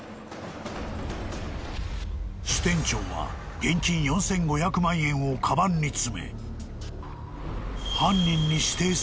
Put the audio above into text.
［支店長は現金４，５００万円をかばんに詰め犯人に］